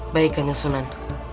baik kanjeng sunan